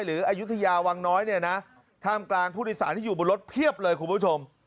อายุทยาวังน้อยเนี่ยนะท่ามกลางผู้โดยสารที่อยู่บนรถเพียบเลยคุณผู้ชม